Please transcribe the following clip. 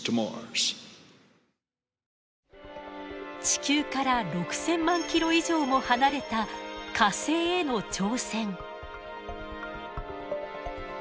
地球から６，０００万キロ以上も離れた火星への挑戦。